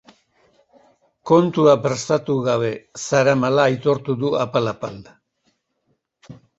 Kontua prestatu barik zeramala aitortu du apal-apal.